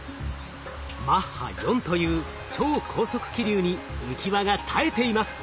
マッハ４という超高速気流に浮き輪が耐えています。